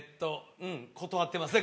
うん断ってますね